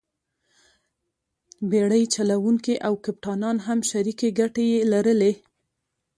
بېړۍ چلوونکي او کپټانان هم شریکې ګټې یې لرلې.